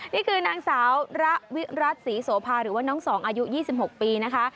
นี่คือนางสาวระวิรัติศรีโสภาหรือว่าน้องสองอายุ๒๖ปีนะคะ